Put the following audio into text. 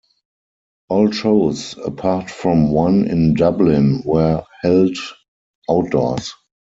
All shows, apart from one in Dublin, were held outdoors.